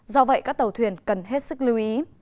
do vậy các tàu thuyền cần hết sức lưu ý